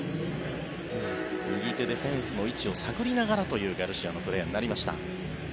右手でフェンスの位置を探りながらというガルシアのプレーになりました。